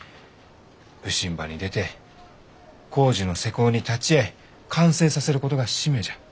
普請場に出て工事の施工に立ち会い完成させることが使命じゃ。